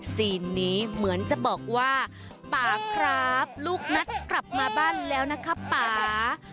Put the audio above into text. ซีนนี้เหมือนจะบอกว่าป่าครับลูกนัดกลับมาบ้านแล้วนะครับป่า